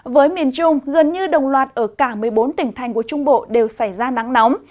với miền trung gần như đồng loạt ở cả một mươi bốn tỉnh thành của trung bộ đều xảy ra nắng nóng